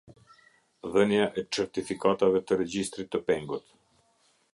Dhënia e çertifikatave të regjistrit të pengut.